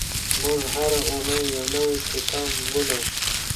موږ هره اونۍ یو نوی کتاب لولو.